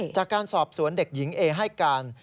จากการสอบสวนเด็กหญิงเอให้การ